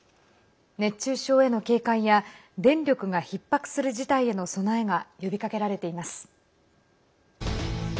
熱中症への警戒や電力がひっ迫する事態への備えが呼びかけられています。